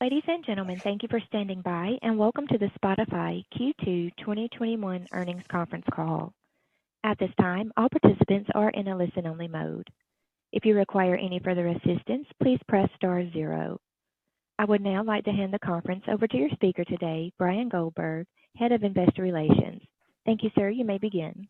Ladies and gentlemen, thank you for standing by, and welcome to the Spotify Q2 2021 Earnings Conference Call. At this time, all participants are in a listen-only mode. If you require any further assistance, please press star zero. I would now like to hand the conference over to your speaker today, Bryan Goldberg, Head of Investor Relations. Thank you, sir. You may begin.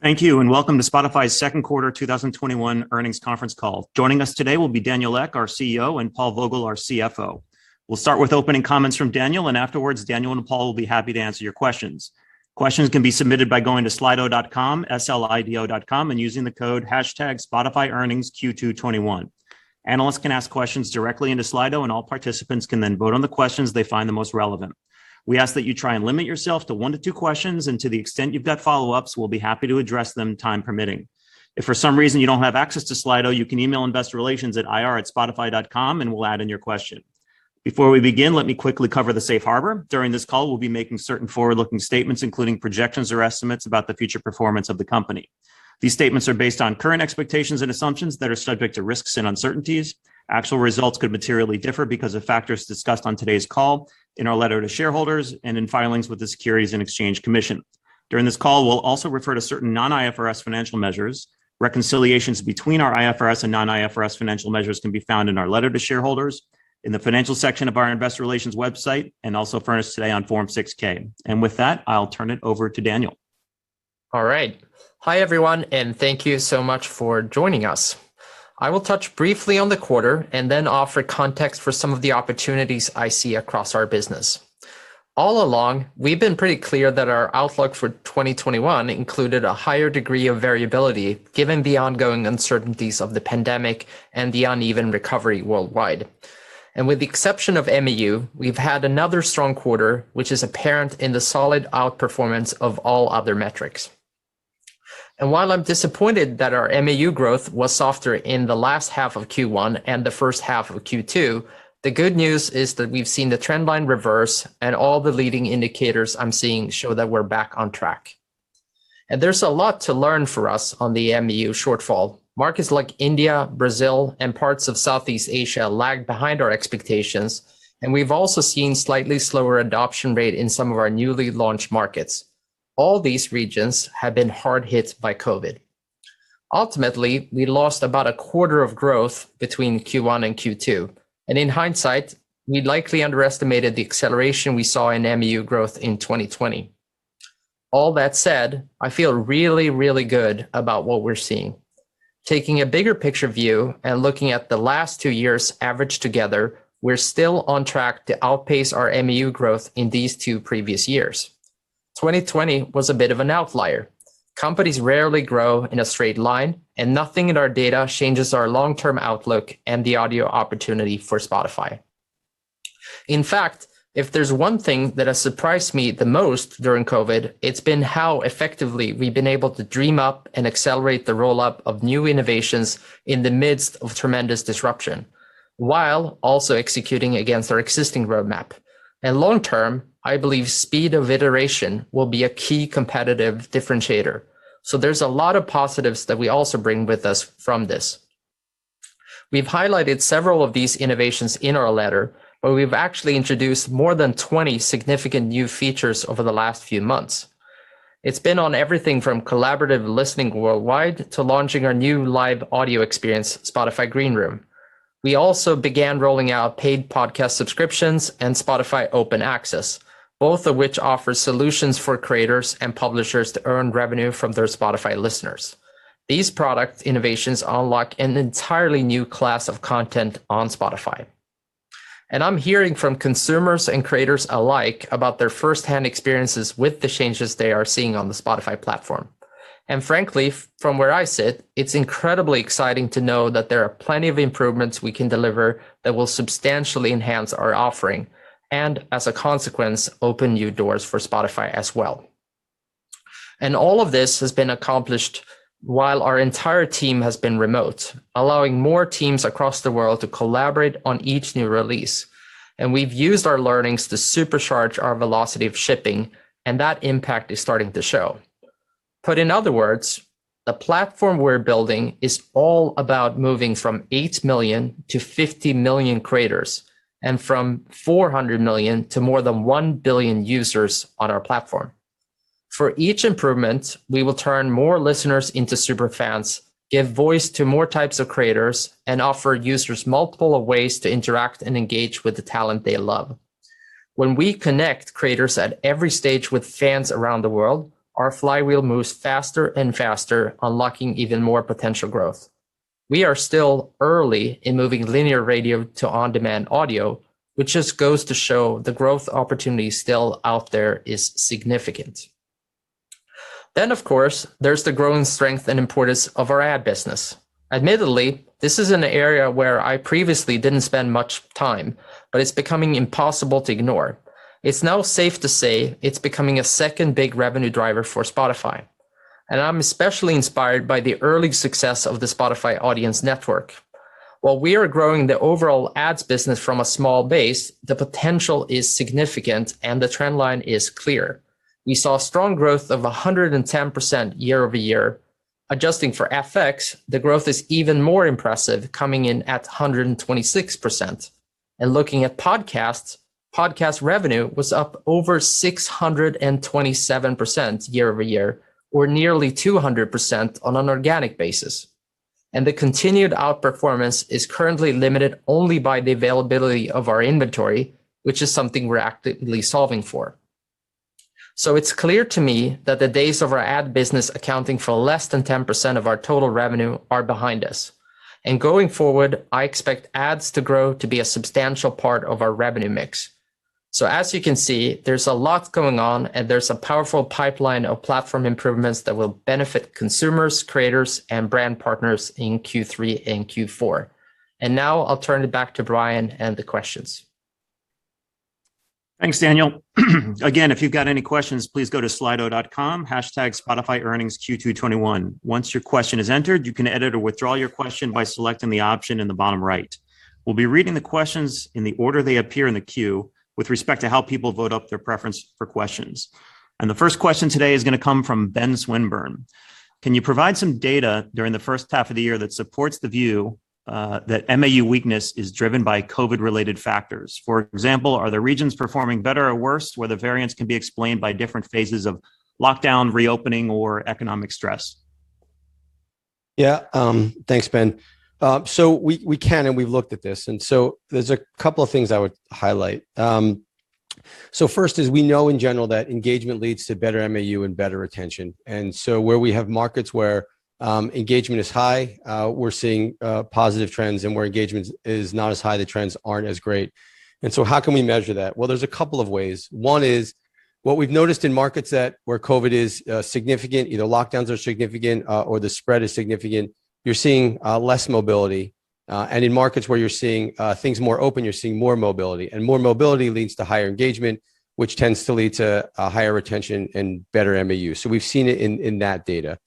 Thank you. Welcome to Spotify's second quarter 2021 earnings conference call. Joining us today will be Daniel Ek, our CEO, and Paul Vogel, our CFO. We'll start with opening comments from Daniel. Afterwards, Daniel and Paul will be happy to answer your questions. Questions can be submitted by going to slido.com, S-L-I-D-O.com, and using the code hashtag SpotifyEarningsQ221. Analysts can ask questions directly into Slido. All participants can then vote on the questions they find the most relevant. We ask that you try and limit yourself to one-two questions. To the extent you've got follow-ups, we'll be happy to address them, time permitting. If for some reason you don't have access to Slido, you can email investor relations at ir@spotify.com. We'll add in your question. Before we begin, let me quickly cover the safe harbor. During this call, we'll be making certain forward-looking statements, including projections or estimates about the future performance of the company. These statements are based on current expectations and assumptions that are subject to risks and uncertainties. Actual results could materially differ because of factors discussed on today's call, in our letter to shareholders, and in filings with the Securities and Exchange Commission. During this call, we'll also refer to certain non-IFRS financial measures. Reconciliations between our IFRS and non-IFRS financial measures can be found in our letter to shareholders, in the financial section of our investor relations website, and also furnished today on Form 6-K. With that, I'll turn it over to Daniel. All right. Hi everyone, and thank you so much for joining us. I will touch briefly on the quarter and then offer context for some of the opportunities I see across our business. All along, we've been pretty clear that our outlook for 2021 included a higher degree of variability, given the ongoing uncertainties of the pandemic and the uneven recovery worldwide. With the exception of MAU, we've had another strong quarter, which is apparent in the solid outperformance of all other metrics. While I'm disappointed that our MAU growth was softer in the last half of Q1 and the first half of Q2, the good news is that we've seen the trend line reverse and all the leading indicators I'm seeing show that we're back on track. There's a lot to learn for us on the MAU shortfall. Markets like India, Brazil, and parts of Southeast Asia lag behind our expectations, and we've also seen slightly slower adoption rate in some of our newly launched markets. All these regions have been hard hit by COVID. Ultimately, we lost about a quarter of growth between Q1 and Q2, and in hindsight, we likely underestimated the acceleration we saw in MAU growth in 2020. All that said, I feel really, really good about what we're seeing. Taking a bigger picture view and looking at the last two years average together, we're still on track to outpace our MAU growth in these two previous years. 2020 was a bit of an outlier. Companies rarely grow in a straight line, and nothing in our data changes our long-term outlook and the audio opportunity for Spotify. In fact, if there's one thing that has surprised me the most during COVID, it's been how effectively we've been able to dream up and accelerate the roll-up of new innovations in the midst of tremendous disruption, while also executing against our existing roadmap. Long term, I believe speed of iteration will be a key competitive differentiator. There's a lot of positives that we also bring with us from this. We've highlighted several of these innovations in our letter, but we've actually introduced more than 20 significant new features over the last few months. It's been on everything from collaborative listening worldwide to launching our new live audio experience, Spotify Greenroom. We also began rolling out paid podcast subscriptions and Spotify Open Access, both of which offer solutions for creators and publishers to earn revenue from their Spotify listeners. These product innovations unlock an entirely new class of content on Spotify. I'm hearing from consumers and creators alike about their firsthand experiences with the changes they are seeing on the Spotify platform. Frankly, from where I sit, it's incredibly exciting to know that there are plenty of improvements we can deliver that will substantially enhance our offering, and, as a consequence, open new doors for Spotify as well. All of this has been accomplished while our entire team has been remote, allowing more teams across the world to collaborate on each new release. We've used our learnings to supercharge our velocity of shipping, and that impact is starting to show. Put in other words, the platform we're building is all about moving from 8 million-50 million creators and from 400 million to more than 1 billion users on our platform. For each improvement, we will turn more listeners into super fans, give voice to more types of creators, and offer users multiple ways to interact and engage with the talent they love. When we connect creators at every stage with fans around the world, our flywheel moves faster and faster, unlocking even more potential growth. We are still early in moving linear radio to on-demand audio, which just goes to show the growth opportunity still out there is significant. Of course, there's the growing strength and importance of our ad business. Admittedly, this is an area where I previously didn't spend much time, but it's becoming impossible to ignore. It's now safe to say it's becoming a second big revenue driver for Spotify, and I'm especially inspired by the early success of the Spotify Audience Network. While we are growing the overall ads business from a small base, the potential is significant and the trend line is clear. We saw strong growth of 110% year-over-year. Adjusting for FX, the growth is even more impressive, coming in at 126%. Looking at podcasts, podcast revenue was up over 627% year-over-year, or nearly 200% on an organic basis. The continued outperformance is currently limited only by the availability of our inventory, which is something we're actively solving for. It's clear to me that the days of our ad business accounting for less than 10% of our total revenue are behind us. Going forward, I expect ads to grow to be a substantial part of our revenue mix. As you can see, there's a lot going on, and there's a powerful pipeline of platform improvements that will benefit consumers, creators, and brand partners in Q3 and Q4. Now I'll turn it back to Bryan Goldberg and the questions. Thanks, Daniel. Again, if you've got any questions, please go to slido.com, #spotifyearningsQ2 2021. Once your question is entered, you can edit or withdraw your question by selecting the option in the bottom right. We'll be reading the questions in the order they appear in the queue, with respect to how people vote up their preference for questions. The first question today is going to come from Benjamin Swinburne. Can you provide some data during the first half of the year that supports the view that MAU weakness is driven by COVID-related factors? For example, are the regions performing better or worse, where the variance can be explained by different phases of lockdown, reopening, or economic stress? Yeah. Thanks, Ben. We can, and we've looked at this. There's a couple of things I would highlight. First is we know in general that engagement leads to better MAU and better retention. Where we have markets where engagement is high, we're seeing positive trends, and where engagement is not as high, the trends aren't as great. How can we measure that? Well, there's a couple of ways. One is what we've noticed in markets where COVID is significant, either lockdowns are significant or the spread is significant, you're seeing less mobility. In markets where you're seeing things more open, you're seeing more mobility. More mobility leads to higher engagement, which tends to lead to a higher retention and better MAU. We've seen it in that data.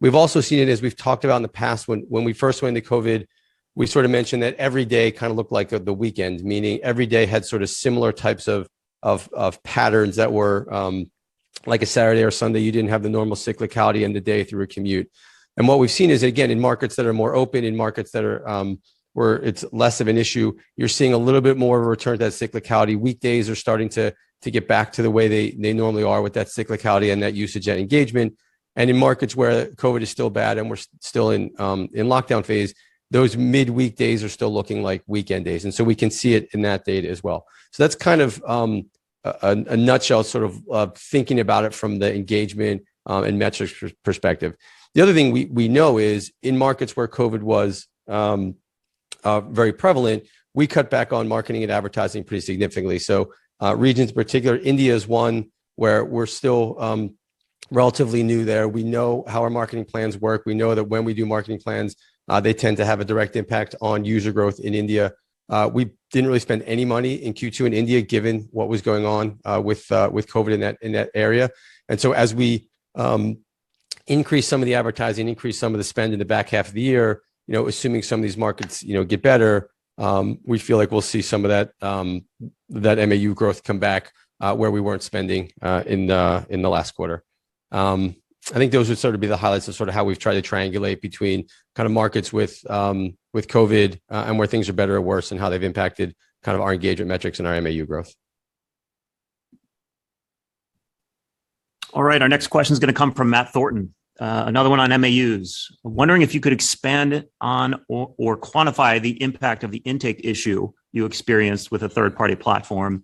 We've also seen it, as we've talked about in the past, when we first went into COVID, we sort of mentioned that every day kind of looked like the weekend, meaning every day had sort of similar types of patterns that were like a Saturday or Sunday. You didn't have the normal cyclicality in the day through a commute. What we've seen is, again, in markets that are more open, in markets where it's less of an issue, you're seeing a little bit more of a return to that cyclicality. Weekdays are starting to get back to the way they normally are with that cyclicality and that usage and engagement. In markets where COVID is still bad and we're still in lockdown phase, those mid-weekdays are still looking like weekend days. We can see it in that data as well. That's kind of a nutshell sort of thinking about it from the engagement and metrics perspective. The other thing we know is in markets where COVID was very prevalent, we cut back on marketing and advertising pretty significantly. Regions in particular, India is one where we're still relatively new there. We know how our marketing plans work. We know that when we do marketing plans, they tend to have a direct impact on user growth in India. We didn't really spend any money in Q2 in India, given what was going on with COVID in that area. As we increase some of the advertising, increase some of the spend in the back half of the year, assuming some of these markets get better, we feel like we'll see some of that MAU growth come back where we weren't spending in the last quarter. I think those would sort of be the highlights of sort of how we've tried to triangulate between kind of markets with COVID and where things are better or worse and how they've impacted kind of our engagement metrics and our MAU growth. All right. Our next question is going to come from Matt Thornton. Another one on MAUs. Wondering if you could expand on or quantify the impact of the intake issue you experienced with a third-party platform.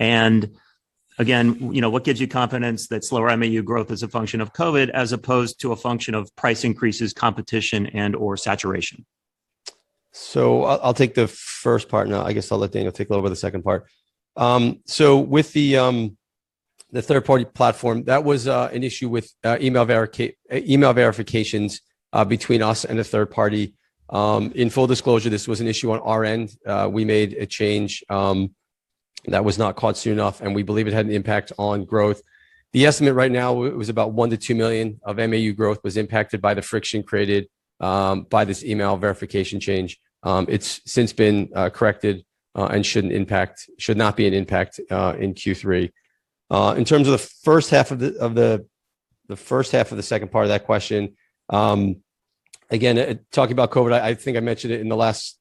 Again, what gives you confidence that slower MAU growth is a function of COVID as opposed to a function of price increases, competition, and/or saturation? I'll take the first part, and I guess I'll let Daniel take a little bit of the second part. With the third-party platform, that was an issue with email verifications between us and a third party. In full disclosure, this was an issue on our end. We made a change that was not caught soon enough, and we believe it had an impact on growth. The estimate right now was about 1 million-2 million of MAU growth was impacted by the friction created by this email verification change. It's since been corrected and should not be an impact in Q3. In terms of the first half of the second part of that question, again, talking about COVID, I think I mentioned it in the last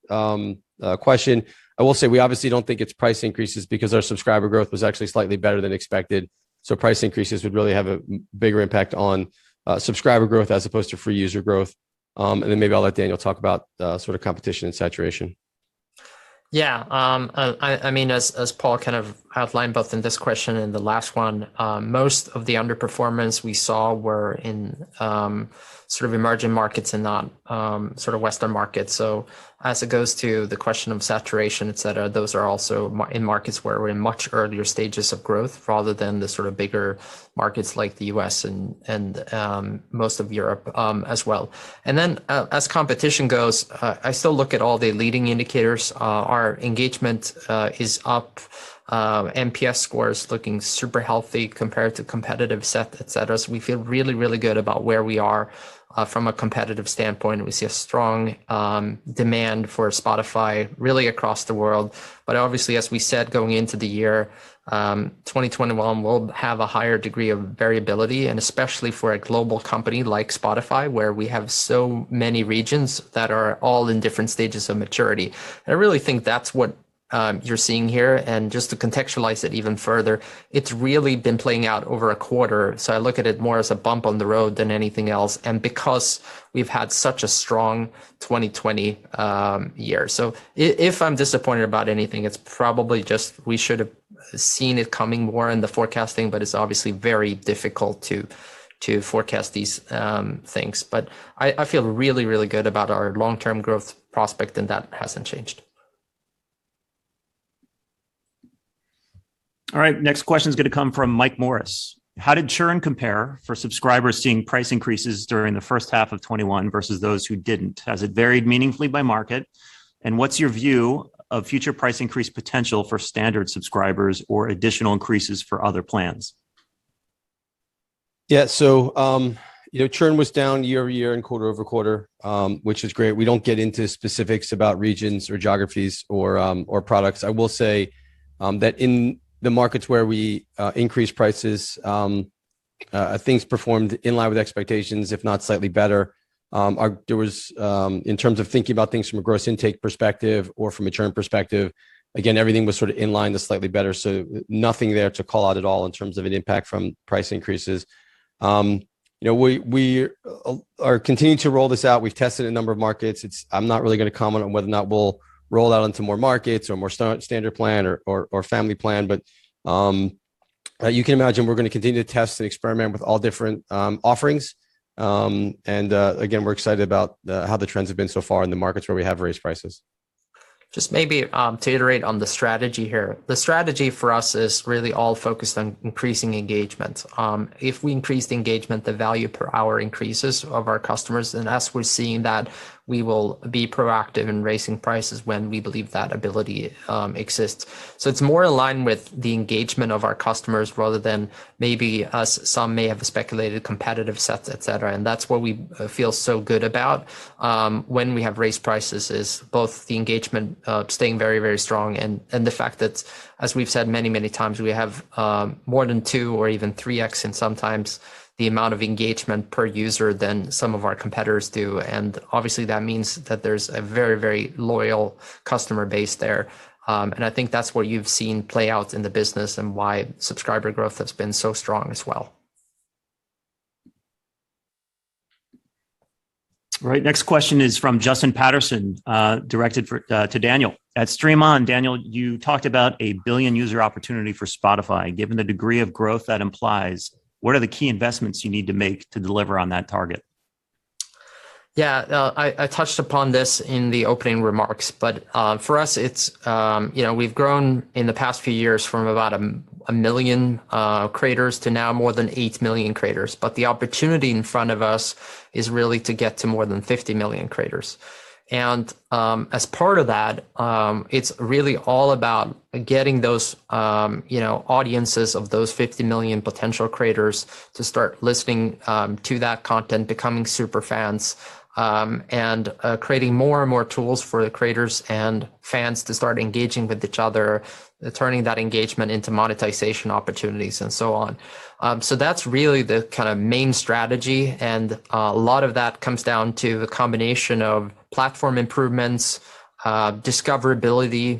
question. I will say we obviously don't think it's price increases because our subscriber growth was actually slightly better than expected. Price increases would really have a bigger impact on subscriber growth as opposed to free user growth. Maybe I'll let Daniel talk about sort of competition and saturation. Yeah. As Paul kind of outlined both in this question and the last one, most of the underperformance we saw were in sort of emerging markets and not sort of Western markets. As it goes to the question of saturation, et cetera, those are also in markets where we're in much earlier stages of growth rather than the sort of bigger markets like the U.S. and most of Europe as well. As competition goes, I still look at all the leading indicators. Our engagement is up. NPS score is looking super healthy compared to competitive set, et cetera. We feel really, really good about where we are from a competitive standpoint. We see a strong demand for Spotify really across the world. Obviously, as we said, going into the year 2021, we'll have a higher degree of variability and especially for a global company like Spotify, where we have so many regions that are all in different stages of maturity. I really think that's what you're seeing here, and just to contextualize it even further, it's really been playing out over a quarter. I look at it more as a bump on the road than anything else, and because we've had such a strong 2020 year. If I'm disappointed about anything, it's probably just we should've seen it coming more in the forecasting, but it's obviously very difficult to forecast these things. I feel really good about our long-term growth prospect, and that hasn't changed. All right. Next question is going to come from Michael Morris. "How did churn compare for subscribers seeing price increases during the first half of 2021 versus those who didn't? Has it varied meaningfully by market? And what's your view of future price increase potential for standard subscribers or additional increases for other plans? Churn was down year-over-year and quarter-over-quarter, which is great. We don't get into specifics about regions or geographies or products. I will say that in the markets where we increased prices, things performed in line with expectations, if not slightly better. In terms of thinking about things from a gross intake perspective or from a churn perspective, again, everything was sort of in line to slightly better, nothing there to call out at all in terms of an impact from price increases. We are continuing to roll this out. We've tested a number of markets. I'm not really going to comment on whether or not we'll roll out into more markets or more standard plan or family plan, you can imagine we're going to continue to test and experiment with all different offerings. Again, we're excited about how the trends have been so far in the markets where we have raised prices. Just maybe to iterate on the strategy here. The strategy for us is really all focused on increasing engagement. If we increase the engagement, the value per hour increases of our customers, and as we're seeing that, we will be proactive in raising prices when we believe that ability exists. It's more aligned with the engagement of our customers rather than maybe as some may have speculated, competitive sets, et cetera. That's what we feel so good about, when we have raised prices, is both the engagement staying very strong and the fact that, as we've said many times, we have more than two or even 3x in sometimes the amount of engagement per user than some of our competitors do. Obviously, that means that there's a very loyal customer base there. I think that's what you've seen play out in the business and why subscriber growth has been so strong as well. Right. Next question is from Justin Patterson, directed to Daniel. "At Stream On, Daniel, you talked about a billion-user opportunity for Spotify. Given the degree of growth that implies, what are the key investments you need to make to deliver on that target? Yeah. I touched upon this in the opening remarks, but for us, we've grown in the past few years from about 1 million creators to now more than 8 million creators. The opportunity in front of us is really to get to more than 50 million creators. As part of that, it's really all about getting those audiences of those 50 million potential creators to start listening to that content, becoming super fans, and creating more and more tools for the creators and fans to start engaging with each other, turning that engagement into monetization opportunities, and so on. That's really the kind of main strategy, and a lot of that comes down to a combination of platform improvements, discoverability,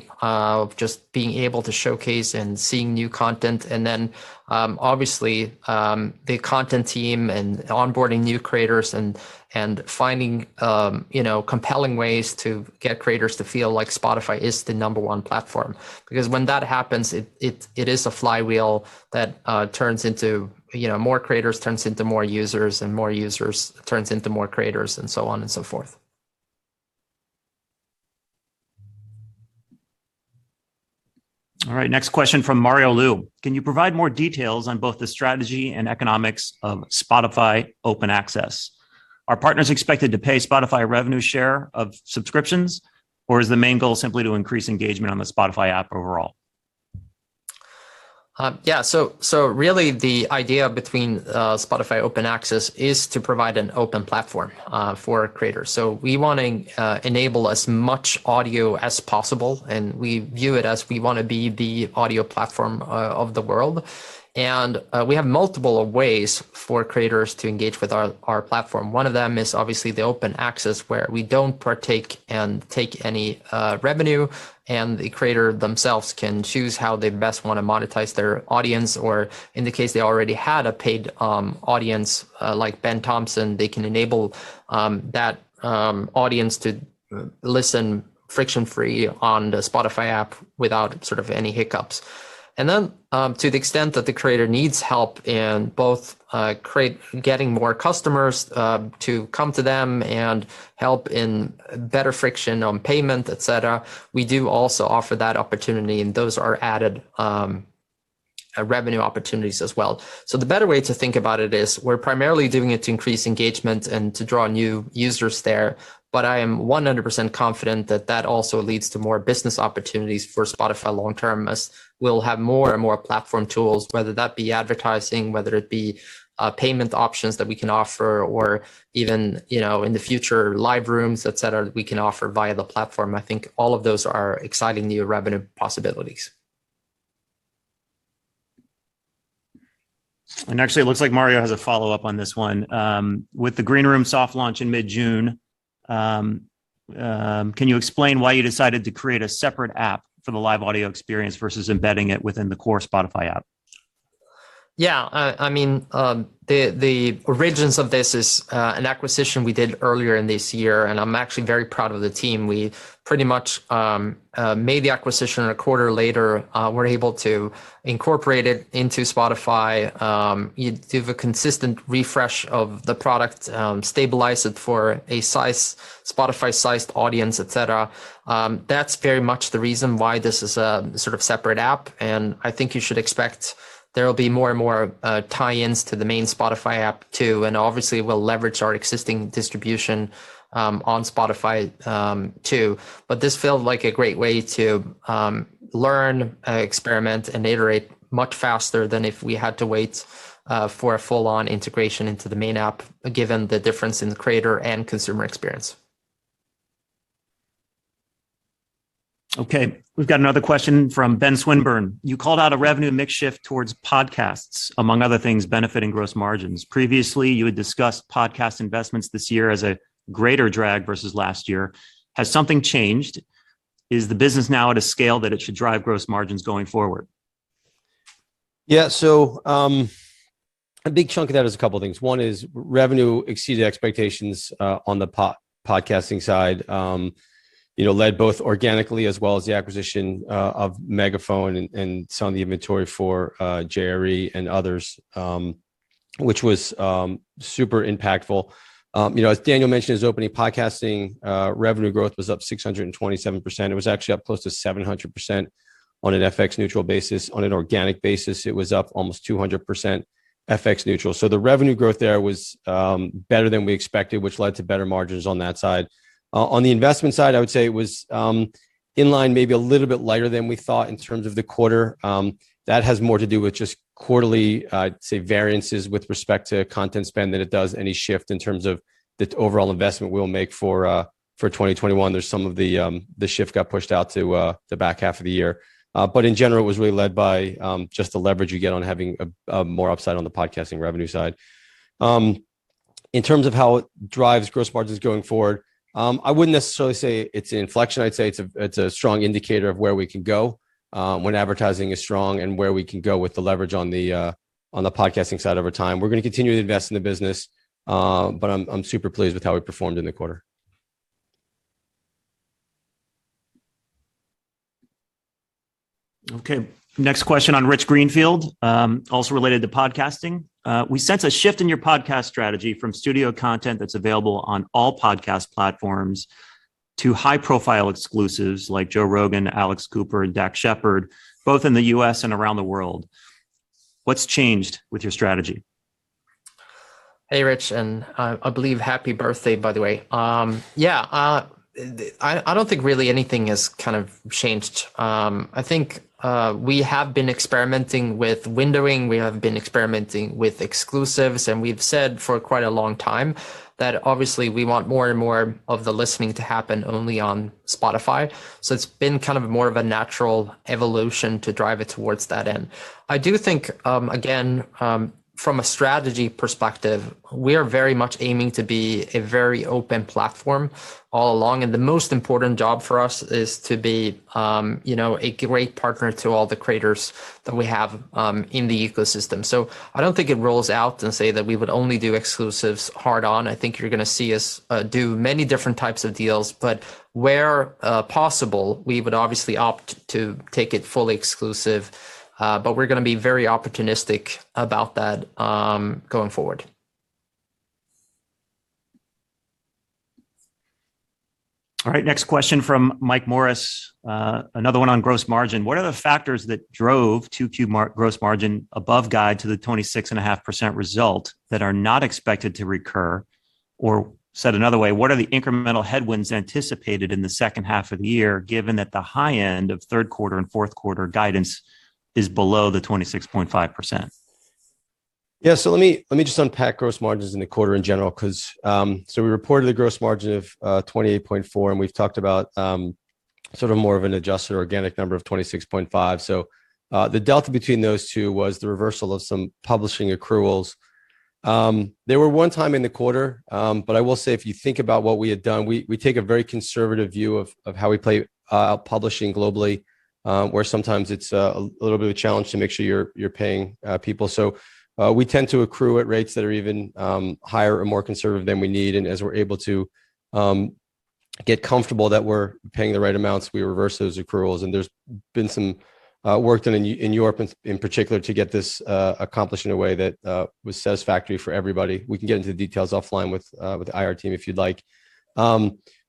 just being able to showcase and seeing new content, and then obviously, the content team and onboarding new creators and finding compelling ways to get creators to feel like Spotify is the number one platform. When that happens, it is a flywheel that turns into more creators, turns into more users, and more users turns into more creators, and so on and so forth. All right. Next question from Mario Lu. "Can you provide more details on both the strategy and economics of Spotify Open Access? Are partners expected to pay Spotify revenue share of subscriptions, or is the main goal simply to increase engagement on the Spotify app overall? Yeah. Really, the idea between Spotify Open Access is to provide an open platform for creators. We want to enable as much audio as possible, and we view it as we want to be the audio platform of the world. We have multiple ways for creators to engage with our platform. One of them is obviously the Open Access, where we don't partake and take any revenue, and the creator themselves can choose how they best want to monetize their audience. In the case they already had a paid audience, like Ben Thompson, they can enable that audience to listen friction-free on the Spotify app without sort of any hiccups. Then, to the extent that the creator needs help in both getting more customers to come to them and help in better friction on payment, et cetera, we do also offer that opportunity, and those are added revenue opportunities as well. The better way to think about it is we're primarily doing it to increase engagement and to draw new users there. I am 100% confident that that also leads to more business opportunities for Spotify long term, as we'll have more and more platform tools, whether that be advertising, whether it be payment options that we can offer, or even, in the future, live rooms, et cetera, that we can offer via the platform. I think all of those are exciting new revenue possibilities. Actually it looks like Mario has a follow-up on this one. With the Greenroom soft launch in mid-June, can you explain why you decided to create a separate app for the live audio experience versus embedding it within the core Spotify app? Yeah. The origins of this is an acquisition we did earlier in this year, and I'm actually very proud of the team. We pretty much made the acquisition, and a quarter later, were able to incorporate it into Spotify, give a consistent refresh of the product, stabilize it for a Spotify-sized audience, et cetera. That's very much the reason why this is a sort of separate app, and I think you should expect there will be more and more tie-ins to the main Spotify app too, and obviously we'll leverage our existing distribution on Spotify too. This felt like a great way to learn, experiment and iterate much faster than if we had to wait for a full-on integration into the main app, given the difference in the creator and consumer experience. Okay. We've got another question from Ben Swinburne. You called out a revenue mix shift towards podcasts, among other things, benefiting gross margins. Previously, you had discussed podcast investments this year as a greater drag versus last year. Has something changed? Is the business now at a scale that it should drive gross margins going forward? Yeah, a big chunk of that is a couple of things. One is revenue exceeded expectations on the podcasting side. Led both organically as well as the acquisition of Megaphone and some of the inventory for JRE and others, which was super impactful. As Daniel mentioned in his opening, podcasting revenue growth was up 627%. It was actually up close to 700% on an FX neutral basis. On an organic basis, it was up almost 200% FX neutral. The revenue growth there was better than we expected, which led to better margins on that side. On the investment side, I would say it was in line, maybe a little bit lighter than we thought in terms of the quarter. That has more to do with just quarterly, I'd say, variances with respect to content spend than it does any shift in terms of the overall investment we'll make for 2021. There's some of the shift got pushed out to the back half of the year. In general, it was really led by just the leverage you get on having more upside on the podcasting revenue side. In terms of how it drives gross margins going forward, I wouldn't necessarily say it's an inflection. I'd say it's a strong indicator of where we can go when advertising is strong and where we can go with the leverage on the podcasting side over time. We're going to continue to invest in the business, but I'm super pleased with how we performed in the quarter. Okay. Next question on Rich Greenfield, also related to podcasting. We sense a shift in your podcast strategy from studio content that's available on all podcast platforms to high-profile exclusives like Joe Rogan, Alex Cooper, and Dax Shepard, both in the U.S. and around the world. What's changed with your strategy? Hey, Rich, I believe happy birthday, by the way. Yeah. I don't think really anything has kind of changed. I think we have been experimenting with windowing, we have been experimenting with exclusives, we've said for quite a long time that obviously we want more and more of the listening to happen only on Spotify. It's been kind of more of a natural evolution to drive it towards that end. I do think, again, from a strategy perspective, we are very much aiming to be a very open platform all along, the most important job for us is to be a great partner to all the creators that we have in the ecosystem. I don't think it rolls out to say that we would only do exclusives hard on. I think you're going to see us do many different types of deals. Where possible, we would obviously opt to take it fully exclusive. We're going to be very opportunistic about that going forward. All right. Next question from Mike Morris, another one on gross margin. What are the factors that drove 2Q gross margin above guide to the 26.5% result that are not expected to recur, or said another way, what are the incremental headwinds anticipated in the second half of the year, given that the high end of third quarter and fourth quarter guidance is below the 26.5%? Let me just unpack gross margins in the quarter in general. We reported a gross margin of 28.4, and we've talked about sort of more of an adjusted organic number of 26.5. The delta between those two was the reversal of some publishing accruals. They were one time in the quarter. I will say, if you think about what we had done, we take a very conservative view of how we play out publishing globally, where sometimes it's a little bit of a challenge to make sure you're paying people. We tend to accrue at rates that are even higher or more conservative than we need. As we're able to get comfortable that we're paying the right amounts, we reverse those accruals. There's been some work done in Europe in particular to get this accomplished in a way that was satisfactory for everybody. We can get into the details offline with the IR team if you'd like.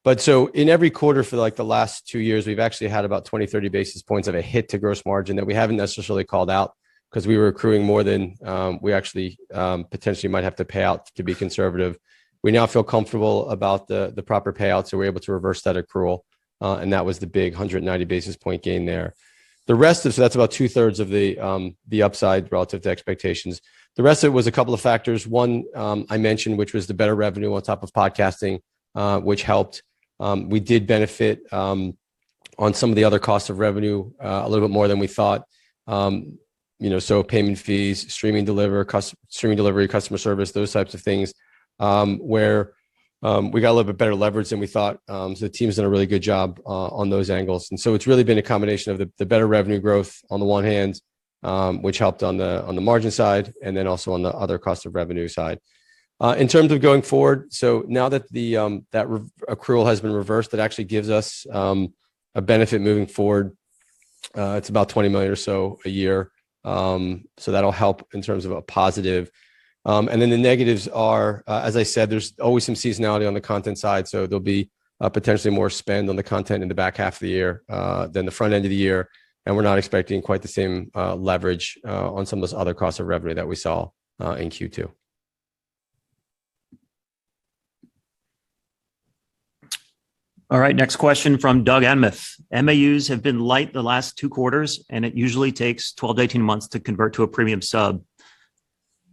In every quarter for the last two years, we've actually had about 20, 30 basis points of a hit to gross margin that we haven't necessarily called out because we were accruing more than we actually potentially might have to pay out to be conservative. We now feel comfortable about the proper payouts, so we're able to reverse that accrual, and that was the big 190 basis point gain there. That's about 2/3 of the upside relative to expectations. The rest of it was a couple of factors. One, I mentioned, which was the better revenue on top of podcasting, which helped. We did benefit on some of the other costs of revenue a little bit more than we thought. Payment fees, streaming delivery, customer service, those types of things, where we got a little bit better leverage than we thought. The team's done a really good job on those angles. It's really been a combination of the better revenue growth on the one hand, which helped on the margin side, and then also on the other cost of revenue side. In terms of going forward, so now that that accrual has been reversed, that actually gives us a benefit moving forward. It's about 20 million or so a year. That'll help in terms of a positive. The negatives are, as I said, there's always some seasonality on the content side, so there'll be potentially more spend on the content in the back half of the year than the front end of the year, and we're not expecting quite the same leverage on some of those other costs of revenue that we saw in Q2. All right, next question from Doug Anmuth. MAUs have been light the last two quarters, and it usually takes 12-18 months to convert to a premium sub.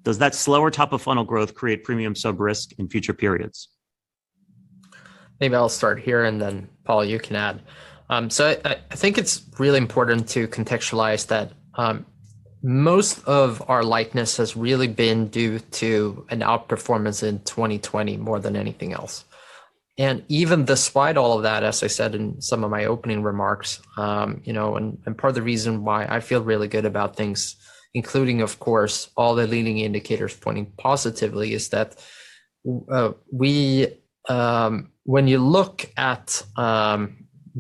Does that slower top of funnel growth create premium sub risk in future periods? Maybe I'll start here, Paul, you can add. I think it's really important to contextualize that most of our lightness has really been due to an outperformance in 2020 more than anything else. Even despite all of that, as I said in some of my opening remarks, and part of the reason why I feel really good about things, including, of course, all the leading indicators pointing positively, is that when you look at the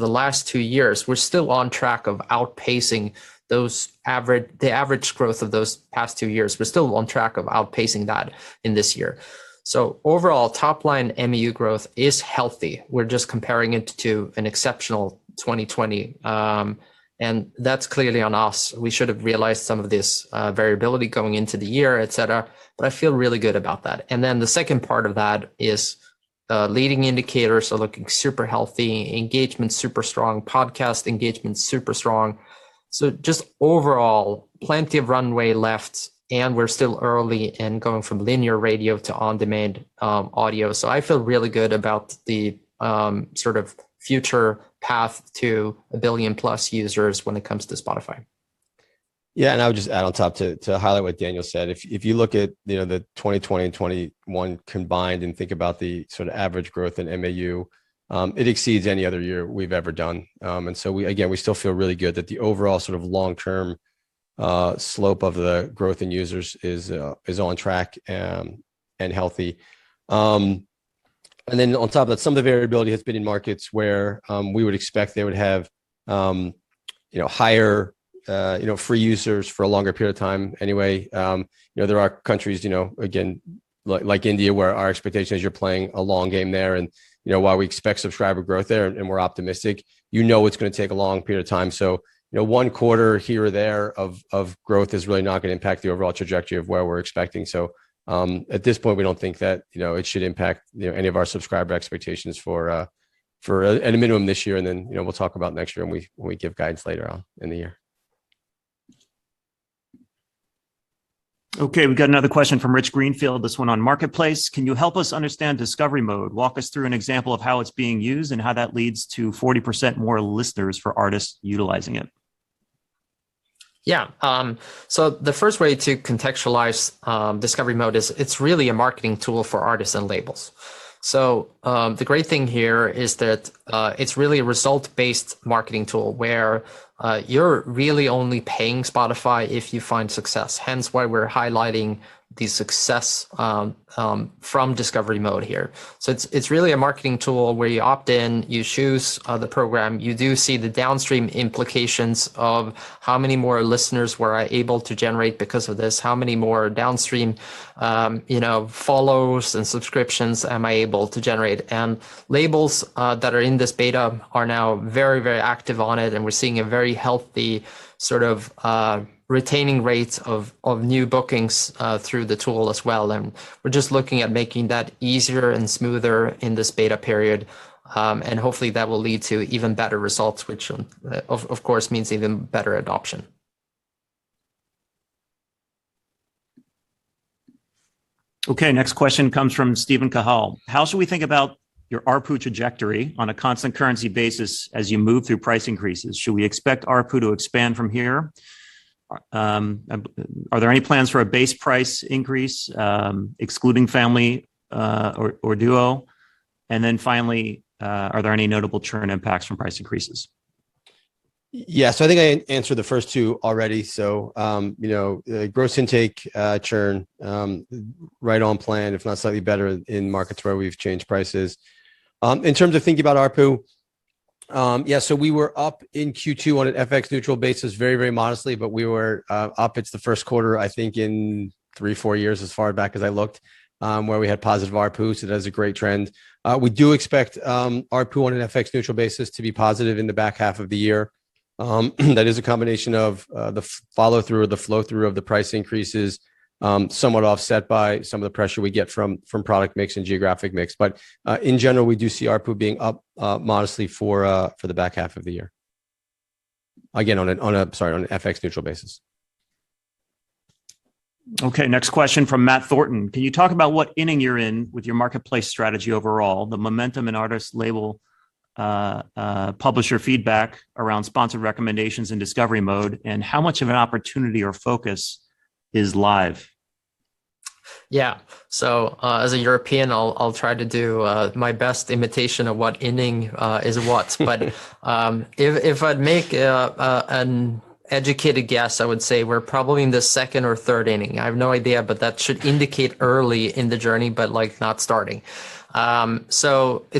last two years, we're still on track of outpacing the average growth of those past two years. We're still on track of outpacing that in this year. Overall, top line MAU growth is healthy. We're just comparing it to an exceptional 2020, and that's clearly on us. We should have realized some of this variability going into the year, et cetera, but I feel really good about that. The second part of that is leading indicators are looking super healthy, engagement super strong, podcast engagement super strong. Just overall, plenty of runway left and we're still early and going from linear radio to on-demand audio. I feel really good about the future path to 1 billion plus users when it comes to Spotify. I would just add on top to highlight what Daniel said. If you look at the 2020 and 2021 combined and think about the sort of average growth in MAU, it exceeds any other year we've ever done. Again, we still feel really good that the overall sort of long-term slope of the growth in users is on track and healthy. On top of that, some of the variability has been in markets where we would expect they would have higher free users for a longer period of time anyway. There are countries, again, like India, where our expectation is you're playing a long game there, and while we expect subscriber growth there and we're optimistic, you know it's going to take a long period of time. One quarter here or there of growth is really not going to impact the overall trajectory of where we're expecting. At this point, we don't think that it should impact any of our subscriber expectations at a minimum this year, and then we'll talk about next year when we give guidance later on in the year. Okay, we've got another question from Rich Greenfield, this one on Marketplace. Can you help us understand Discovery Mode? Walk us through an example of how it's being used and how that leads to 40% more listeners for artists utilizing it. The first way to contextualize Discovery Mode is it's really a marketing tool for artists and labels. The great thing here is that it's really a result-based marketing tool where you're really only paying Spotify if you find success, hence why we're highlighting the success from Discovery Mode here. It's really a marketing tool where you opt in, you choose the program. You do see the downstream implications of how many more listeners we're able to generate because of this, how many more downstream follows and subscriptions am I able to generate? Labels that are in this beta are now very active on it, and we're seeing a very healthy sort of retaining rates of new bookings through the tool as well, and we're just looking at making that easier and smoother in this beta period. Hopefully, that will lead to even better results, which of course means even better adoption. Okay, next question comes from Steven Cahall. How should we think about your ARPU trajectory on a constant currency basis as you move through price increases? Should we expect ARPU to expand from here? Are there any plans for a base price increase, excluding Family or Duo? Finally, are there any notable churn impacts from price increases? I think I answered the first two already. The gross intake churn, right on plan, if not slightly better in markets where we've changed prices. In terms of thinking about ARPU, we were up in Q2 on an FX neutral basis very modestly, but we were up. It's the first quarter, I think, in three, four years as far back as I looked, where we had positive ARPU, that is a great trend. We do expect ARPU on an FX neutral basis to be positive in the back half of the year. That is a combination of the follow-through or the flow-through of the price increases, somewhat offset by some of the pressure we get from product mix and geographic mix. In general, we do see ARPU being up modestly for the back half of the year. Again, on an FX neutral basis. Okay, next question from Matt Thornton. Can you talk about what inning you're in with your marketplace strategy overall, the momentum in artist label, publisher feedback around sponsored recommendations in Discovery Mode, and how much of an opportunity or focus is live? Yeah. As a European, I'll try to do my best imitation of what inning is what. If I'd make an educated guess, I would say we're probably in the second or third inning. I have no idea, that should indicate early in the journey, but not starting. It's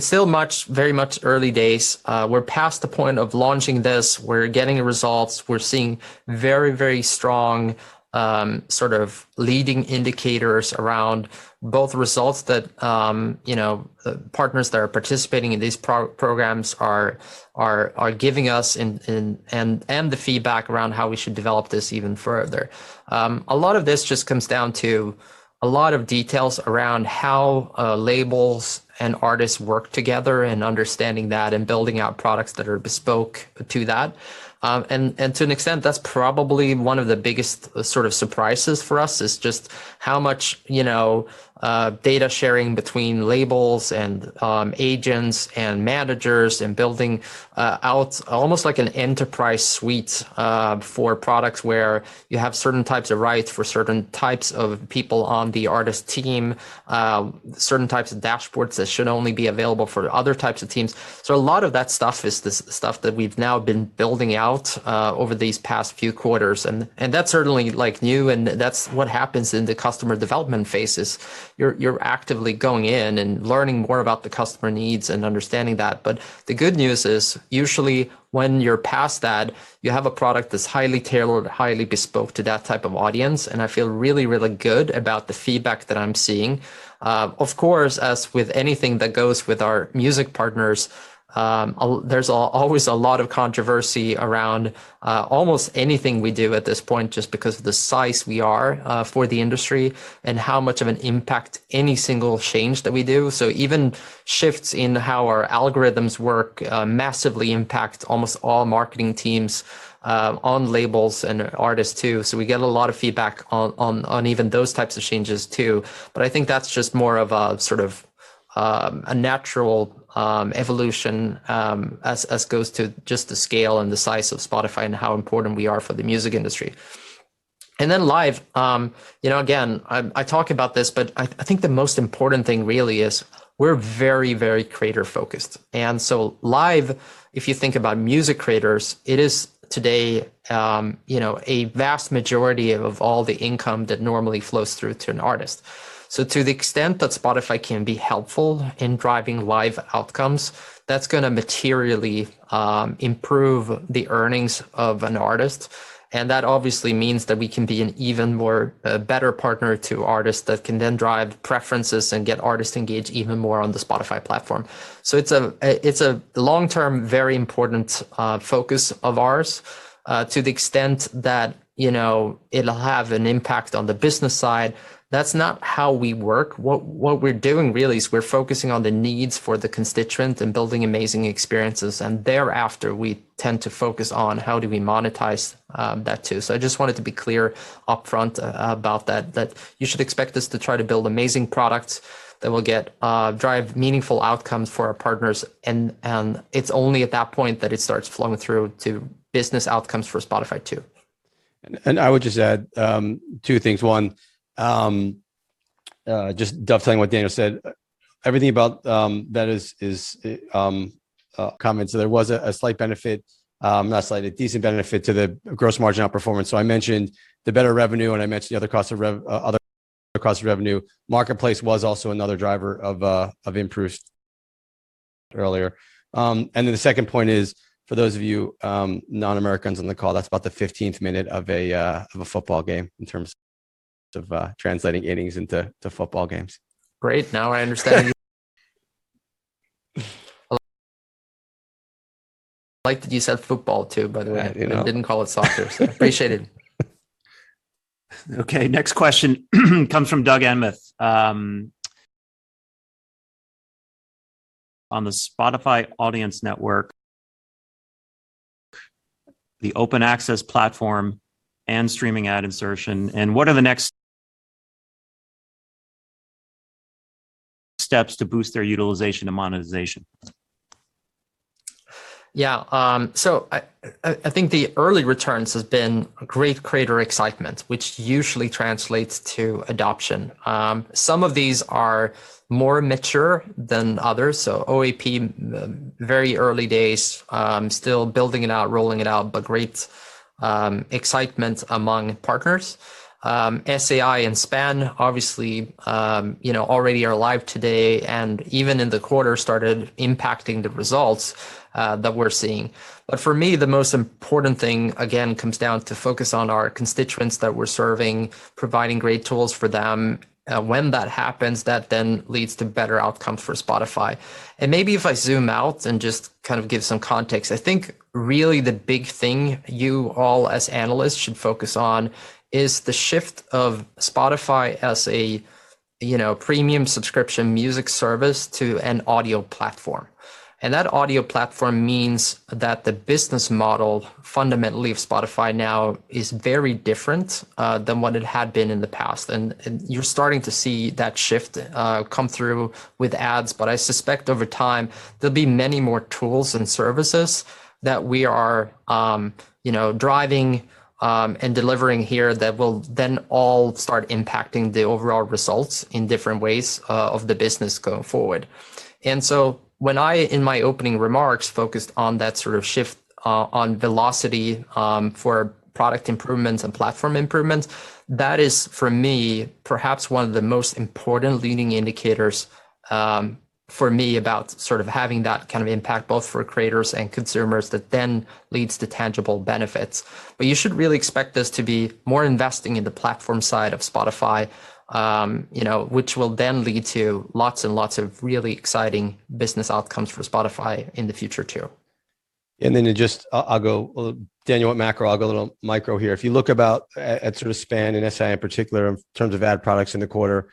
still very much early days. We're past the point of launching this. We're getting results. We're seeing very strong sort of leading indicators around both results that partners that are participating in these programs are giving us, and the feedback around how we should develop this even further. A lot of this just comes down to a lot of details around how labels and artists work together and understanding that and building out products that are bespoke to that. To an extent, that's probably one of the biggest sort of surprises for us is just how much data sharing between labels and agents and managers and building out almost like an enterprise suite for products where you have certain types of rights for certain types of people on the artist team, certain types of dashboards that should only be available for other types of teams. A lot of that stuff is the stuff that we've now been building out over these past few quarters, and that's certainly new and that's what happens in the customer development phases. You're actively going in and learning more about the customer needs and understanding that. The good news is usually when you're past that, you have a product that's highly tailored, highly bespoke to that type of audience, and I feel really good about the feedback that I'm seeing. Of course, as with anything that goes with our music partners, there's always a lot of controversy around almost anything we do at this point, just because of the size we are for the industry and how much of an impact any single change that we do. Even shifts in how our algorithms work massively impact almost all marketing teams on labels and artists too. We get a lot of feedback on even those types of changes too. I think that's just more of a natural evolution as goes to just the scale and the size of Spotify and how important we are for the music industry. Live, again, I talk about this, but I think the most important thing really is we're very creator-focused. Live, if you think about music creators, it is today a vast majority of all the income that normally flows through to an artist. To the extent that Spotify can be helpful in driving live outcomes, that's going to materially improve the earnings of an artist, and that obviously means that we can be an even more better partner to artists that can then drive preferences and get artists engaged even more on the Spotify platform. It's a long-term, very important focus of ours to the extent that it'll have an impact on the business side. That's not how we work. What we're doing really is we're focusing on the needs for the constituent and building amazing experiences, and thereafter, we tend to focus on how do we monetize that too. I just wanted to be clear upfront about that you should expect us to try to build amazing products that will drive meaningful outcomes for our partners, and it's only at that point that it starts flowing through to business outcomes for Spotify too. I would just add two things. One, just dovetailing what Daniel said, everything about that is comments. There was a slight benefit, not slight, a decent benefit to the gross margin outperformance. I mentioned the better revenue and I mentioned the other costs of revenue. Marketplace was also another driver of improved earlier. The second point is, for those of you non-Americans on the call, that's about the 15th minute of a football game in terms of translating innings into football games. Great. Now I understand. I like that you said football too, by the way. Didn't call it soccer, so appreciated. Okay, next question comes from Doug Anmuth on the Spotify Audience Network, Spotify Open Access, and streaming ad insertion, and what are the next steps to boost their utilization and monetization? I think the early returns has been great creator excitement, which usually translates to adoption. Some of these are more mature than others. OAP, very early days, still building it out, rolling it out, but great excitement among partners. SAI and SPAN obviously already are live today and even in the quarter started impacting the results that we're seeing. For me, the most important thing, again, comes down to focus on our constituents that we're serving, providing great tools for them. When that happens, that then leads to better outcomes for Spotify. Maybe if I zoom out and just kind of give some context, I think really the big thing you all as analysts should focus on is the shift of Spotify as a Premium subscription music service to an audio platform. That audio platform means that the business model fundamentally of Spotify now is very different than what it had been in the past. You're starting to see that shift come through with ads. I suspect over time, there'll be many more tools and services that we are driving and delivering here that will then all start impacting the overall results in different ways of the business going forward. When I, in my opening remarks, focused on that sort of shift on velocity for product improvements and platform improvements, that is for me, perhaps one of the most important leading indicators for me about sort of having that kind of impact both for creators and consumers that then leads to tangible benefits. You should really expect this to be more investing in the platform side of Spotify, which will then lead to lots and lots of really exciting business outcomes for Spotify in the future too. Then I'll go, Daniel went macro, I'll go a little micro here. If you look about at sort of SPAN and SAI in particular in terms of ad products in the quarter,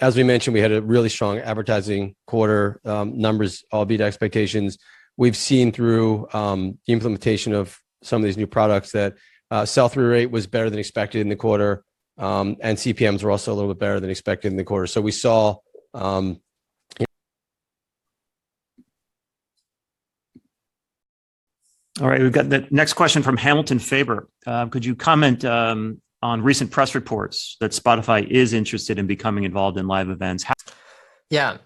as we mentioned, we had a really strong advertising quarter numbers, albeit expectations. We've seen through the implementation of some of these new products that sell-through rate was better than expected in the quarter, and CPMs were also a little bit better than expected in the quarter. We saw. All right, we've got the next question from Hamilton Faber. Could you comment on recent press reports that Spotify is interested in becoming involved in live events? Yeah,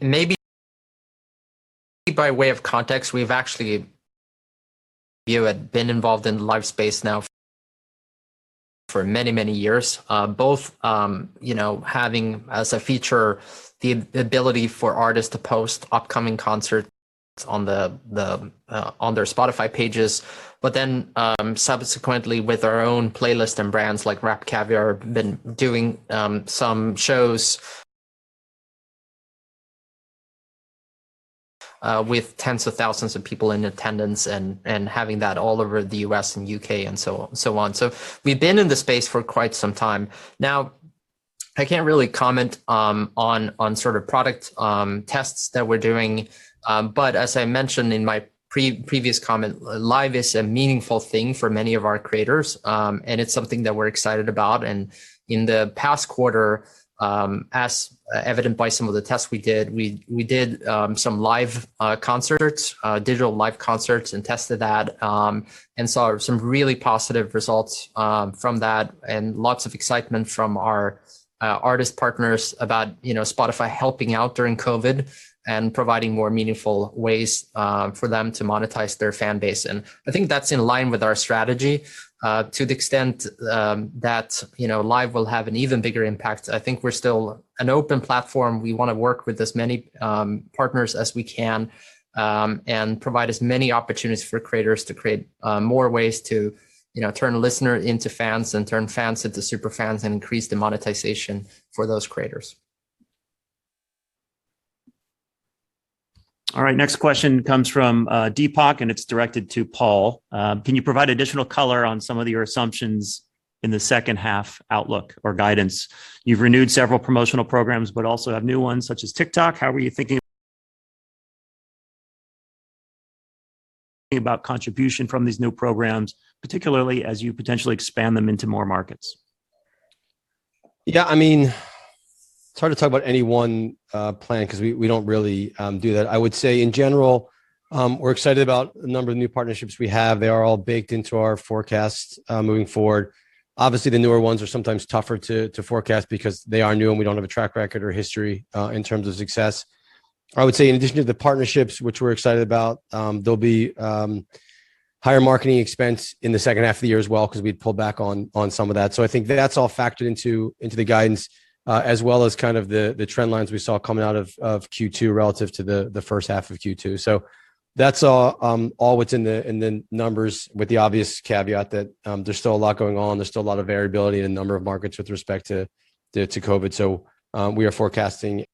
maybe by way of context, we've actually been involved in the live space now for many, many years. Both having as a feature, the ability for artists to post upcoming concerts on their Spotify pages, but then subsequently with our own playlist and brands like RapCaviar, been doing some shows with tens of thousands of people in attendance and having that all over the U.S. and U.K. and so on. We've been in the space for quite some time now. I can't really comment on sort of product tests that we're doing. As I mentioned in my previous comment, live is a meaningful thing for many of our creators, and it's something that we're excited about. In the past quarter, as evident by some of the tests we did, we did some live concerts, digital live concerts, and tested that, and saw some really positive results from that, and lots of excitement from our artist partners about Spotify helping out during COVID and providing more meaningful ways for them to monetize their fan base. I think that's in line with our strategy to the extent that live will have an even bigger impact. I think we're still an open platform. We want to work with as many partners as we can and provide as many opportunities for creators to create more ways to turn a listener into fans and turn fans into super fans and increase the monetization for those creators. All right. Next question comes from Deepak, and it's directed to Paul. Can you provide additional color on some of your assumptions in the second half outlook or guidance? You've renewed several promotional programs, but also have new ones such as TikTok. How were you thinking about contribution from these new programs, particularly as you potentially expand them into more markets? Yeah, it's hard to talk about any one plan because we don't really do that. I would say in general, we're excited about the number of new partnerships we have. They are all baked into our forecast moving forward. Obviously, the newer ones are sometimes tougher to forecast because they are new and we don't have a track record or history in terms of success. I would say in addition to the partnerships which we're excited about, there'll be higher marketing expense in the second half of the year as well because we'd pulled back on some of that. I think that's all factored into the guidance as well as kind of the trend lines we saw coming out of Q2 relative to the first half of Q2. That's all what's in the numbers with the obvious caveat that there's still a lot going on. There's still a lot of variability in a number of markets with respect to COVID. We are forecasting.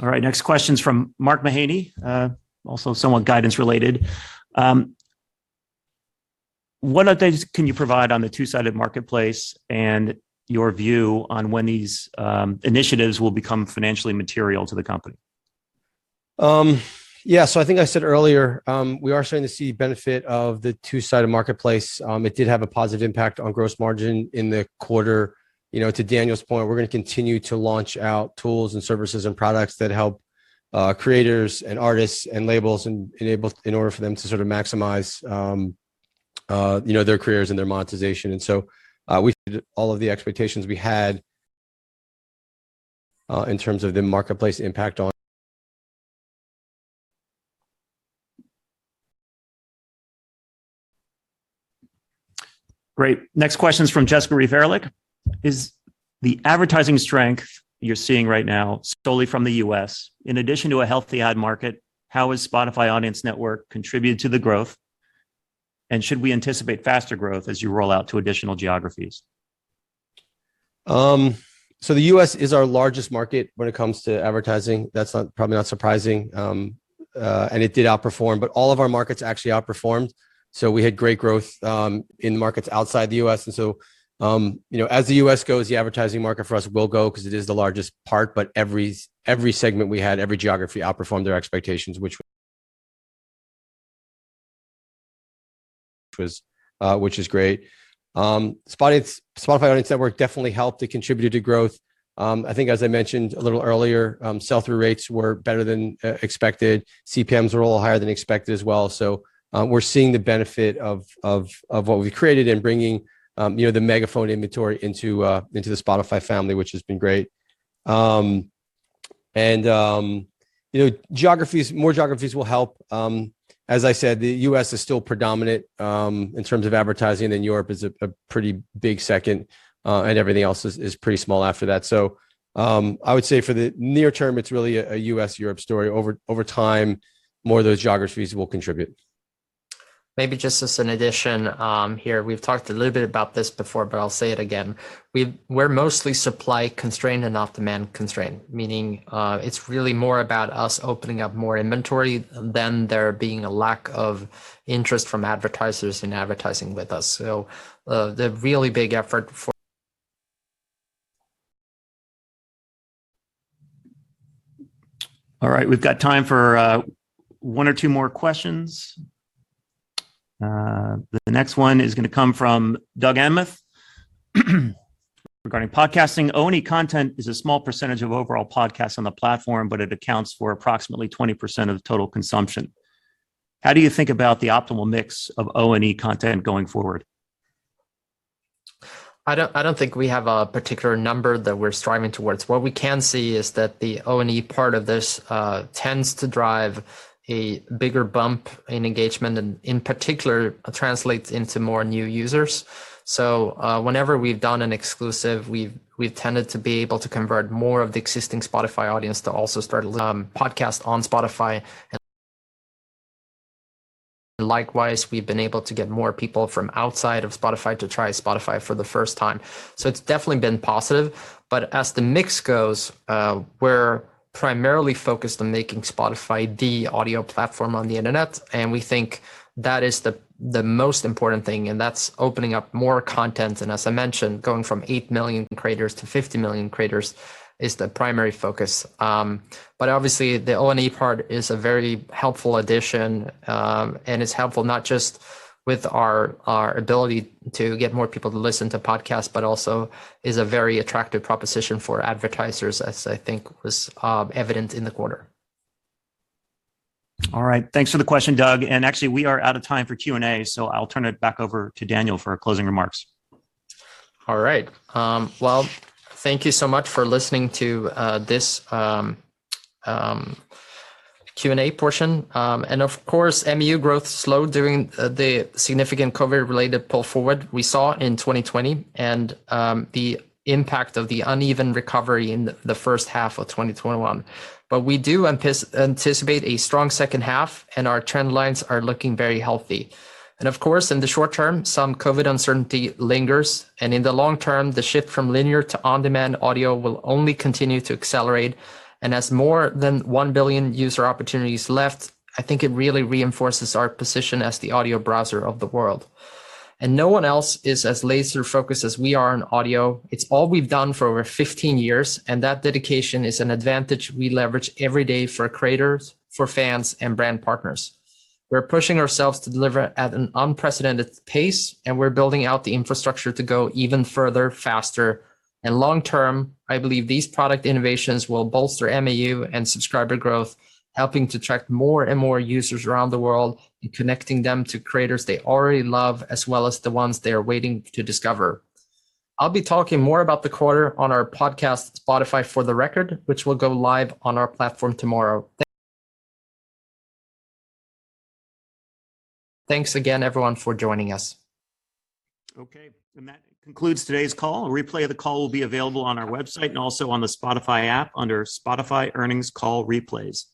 All right. Next question is from Mark Mahaney. Also somewhat guidance related. What updates can you provide on the two-sided marketplace and your view on when these initiatives will become financially material to the company? I think I said earlier, we are starting to see benefit of the two-sided marketplace. It did have a positive impact on gross margin in the quarter. To Daniel's point, we're going to continue to launch out tools and services and products that help creators and artists and labels in order for them to sort of maximize their careers and their monetization. We see all of the expectations we had in terms of the marketplace impact [inaudible] Great. Next question is from Jess Reif Ehrlich. Is the advertising strength you're seeing right now solely from the U.S.? In addition to a healthy ad market, how has Spotify Audience Network contributed to the growth? Should we anticipate faster growth as you roll out to additional geographies? The U.S. is our largest market when it comes to advertising. That's probably not surprising. It did outperform, but all of our markets actually outperformed. We had great growth in markets outside the U.S. As the U.S. goes, the advertising market for us will go because it is the largest part, but every segment we had, every geography outperformed their expectations, which was great. Spotify Audience Network definitely helped. It contributed to growth. I think, as I mentioned a little earlier, sell-through rates were better than expected. CPMs were a little higher than expected as well. We're seeing the benefit of what we created in bringing the Megaphone inventory into the Spotify family, which has been great. More geographies will help. As I said, the U.S. is still predominant in terms of advertising, and Europe is a pretty big second, and everything else is pretty small after that. I would say for the near term, it's really a U.S.-Europe story. Over time, more of those geographies will contribute. Maybe just as an addition here, we've talked a little bit about this before, but I'll say it again. We're mostly supply constrained and not demand constrained, meaning it's really more about us opening up more inventory than there being a lack of interest from advertisers in advertising with us. The really big effort [inaudible] All right. We've got time for one or two more questions. The next one is going to come from Doug Anmuth. Regarding podcasting, O&E content is a small percentage of overall podcasts on the platform, but it accounts for approximately 20% of the total consumption. How do you think about the optimal mix of O&E content going forward? I don't think we have a particular number that we're striving towards. What we can see is that the O&E part of this tends to drive a bigger bump in engagement and, in particular, translates into more new users. Whenever we've done an exclusive, we've tended to be able to convert more of the existing Spotify audience to also start a podcast on Spotify. Likewise, we've been able to get more people from outside of Spotify to try Spotify for the first time. It's definitely been positive. As the mix goes, we're primarily focused on making Spotify the audio platform on the internet, and we think that is the most important thing, and that's opening up more content and as I mentioned, going from 8 million creators to 50 million creators is the primary focus. Obviously, the O&E part is a very helpful addition, and is helpful not just with our ability to get more people to listen to podcasts, but also is a very attractive proposition for advertisers, as I think was evident in the quarter. All right. Thanks for the question, Doug. Actually, we are out of time for Q&A, so I'll turn it back over to Daniel for closing remarks. All right. Well, thank you so much for listening to this Q&A portion. Of course, MAU growth slowed during the significant COVID-related pull forward we saw in 2020 and the impact of the uneven recovery in the first half of 2021. We do anticipate a strong second half, and our trend lines are looking very healthy. Of course, in the short term, some COVID uncertainty lingers, and in the long term, the shift from linear to on-demand audio will only continue to accelerate. As more than 1 billion user opportunities left, I think it really reinforces our position as the audio browser of the world. No one else is as laser focused as we are on audio. It's all we've done for over 15 years, and that dedication is an advantage we leverage every day for creators, for fans, and brand partners. We're pushing ourselves to deliver at an unprecedented pace, and we're building out the infrastructure to go even further, faster. Long term, I believe these product innovations will bolster MAU and subscriber growth, helping to attract more and more users around the world and connecting them to creators they already love, as well as the ones they are waiting to discover. I'll be talking more about the quarter on our podcast, "Spotify: For the Record," which will go live on our platform tomorrow. Thanks again, everyone, for joining us. Okay, that concludes today's call. A replay of the call will be available on our website and also on the Spotify app under Spotify Earnings Call Replays.